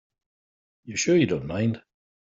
You're sure you don't mind?